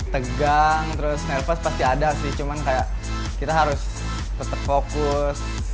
tegang terus nervous pasti ada sih cuman kayak kita harus tetap fokus